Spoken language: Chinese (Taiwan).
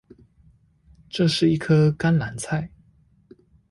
這是一顆甘藍菜